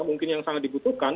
mungkin yang sangat dibutuhkan